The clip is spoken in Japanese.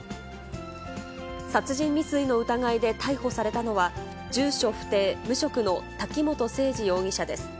殺人未遂の疑いで逮捕されたのは、住所不定無職の滝本斉二容疑者です。